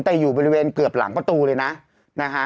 แต่อยู่บริเวณเกือบหลังประตูเลยนะนะฮะ